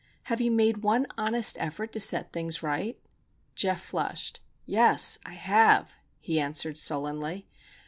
"Have you made one honest effort to set things right?" Geof flushed. "Yes; I have," he answered, sullenly.